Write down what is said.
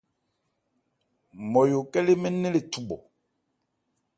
Nmɔyo nkɛ́ lê mɛ́n nnɛn le thubhɔ.